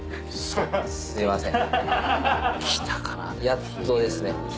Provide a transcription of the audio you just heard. やっとですね。